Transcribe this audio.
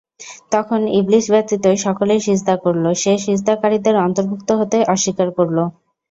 তখন ইবলীস ব্যতীত সকলেই সিজদা করল, সে সিজদাকারীদের অন্তর্ভুক্ত হতে অস্বীকার করল।